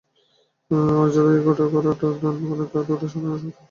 আর যাঁরা এই করটা দেন, তাঁদের ওঁরা স্মরণ করছেন পদে পদে।